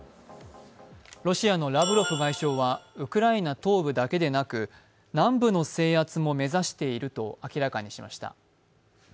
ロシアのラブロフ外相はウクライナ東部だけでなく南部の制圧も目指していると明らかにしました。